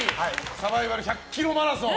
サバイバル１００ｋｍマラソン。